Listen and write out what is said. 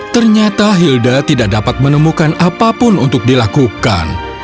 ternyata hilda tidak dapat menemukan apapun untuk dilakukan